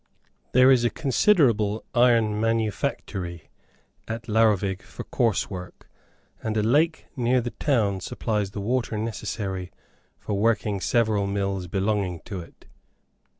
There is a considerable iron manufactory at Laurvig for coarse work, and a lake near the town supplies the water necessary for working several mills belonging to it.